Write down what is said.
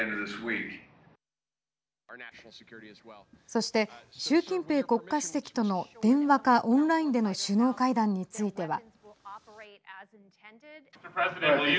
そして習近平国家主席との電話かオンラインでの首脳会談については。